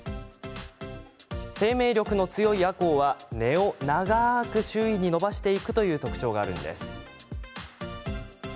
生命力の強いアコウは根を長く、周囲に伸ばしていくという特徴があるんです。